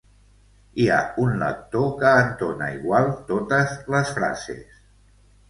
Hi ha un lector que entona igual totes les frases